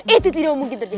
itu tidak mungkin terjadi